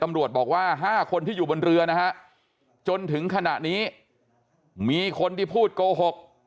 ตำรวจบอกว่า๕คนที่อยู่บนเรือนะฮะจนถึงขณะนี้มีคนที่พูดโกหก